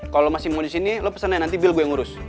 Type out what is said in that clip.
kalau lo masih mau disini lo pesen aja nanti bil gue ngurus